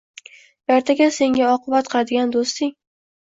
Ertaga senga oqibat qiladigan doʻsting!